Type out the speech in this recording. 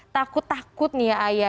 takut takut nih ya ayah